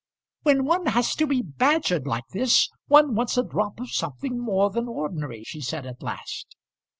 "When one has to be badgered like this, one wants a drop of something more than ordinary," she said at last.